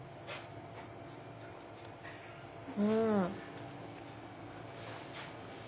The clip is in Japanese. うん。